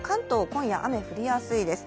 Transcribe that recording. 今夜雨降りやすいです。